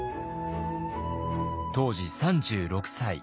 当時３６歳。